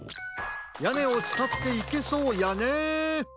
やねをつたっていけそうやね。